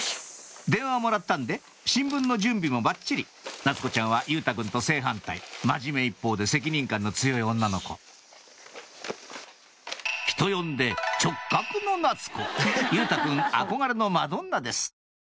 電話をもらったんで新聞の準備もばっちり夏子ちゃんは佑太くんと正反対真面目一方で責任感の強い女の子人呼んで佑太くん憧れのマドンナです